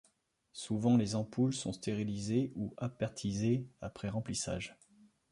Souvent, les ampoules sont stérilisées ou appertisées après remplissage.